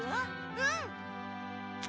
うん！